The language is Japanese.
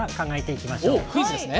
クイズですね。